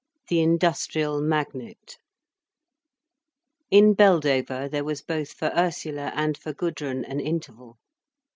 THE INDUSTRIAL MAGNATE In Beldover, there was both for Ursula and for Gudrun an interval.